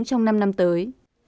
trong năm năm tới